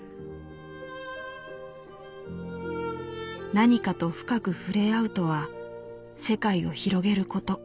「何かと深く触れ合うとは世界を広げること。